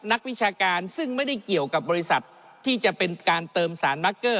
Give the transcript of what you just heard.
วิชาการซึ่งไม่ได้เกี่ยวกับบริษัทที่จะเป็นการเติมสารมาร์เกอร์